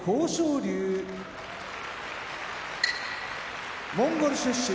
龍モンゴル出身